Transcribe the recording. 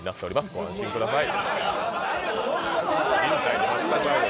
ご安心ください。